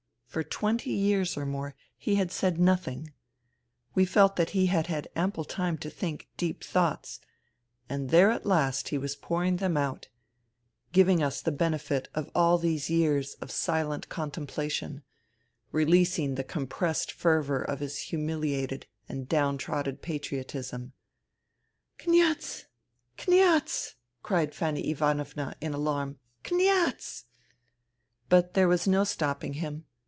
For twenty years or more he had said nothing. We felt that he had had ample time to think deep thoughts : and there at last he was INTERVENING IN SIBERIA 215 pouring them out : giving us the benefit of all these years of silent contemplation : releasing the com pressed fervour of his humiliated and down trodden patriotism. " Kniaz ! Kniaz !" cried Fanny Ivanovna in alarm. " Kniaz I " But there was no stopping him.